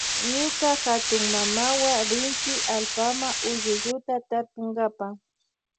Ñuka hatunmamawa rinchi allpama ullulluta tarpunkapa.